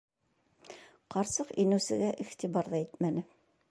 Ҡарсыҡ инеүсегә иғтибар ҙа итмәне...